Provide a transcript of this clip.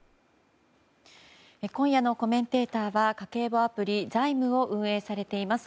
今夜のコメンテーターは家計簿アプリＺａｉｍを運営されています